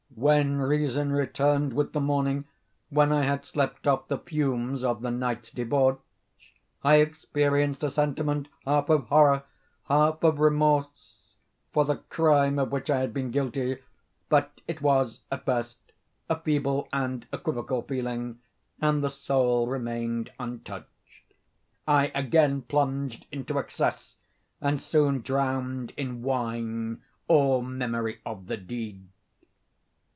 When reason returned with the morning—when I had slept off the fumes of the night's debauch—I experienced a sentiment half of horror, half of remorse, for the crime of which I had been guilty; but it was, at best, a feeble and equivocal feeling, and the soul remained untouched. I again plunged into excess, and soon drowned in wine all memory of the deed.